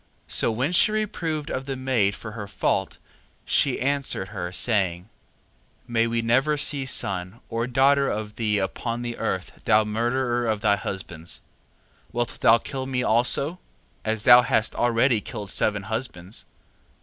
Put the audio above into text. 3:9. So when she reproved the maid for her fault, she answered her, saying: May we never see son, or daughter of thee upon the earth, thou murderer of thy husbands. 3:10. Wilt thou kill me also, as thou hast already killed seven husbands?